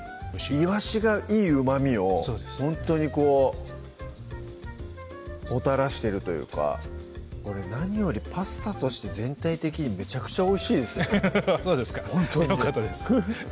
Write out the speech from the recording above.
いわしがいいうまみをほんとにこうもたらしてるというか何よりパスタとして全体的にめちゃくちゃおいしいですよねフフフフッ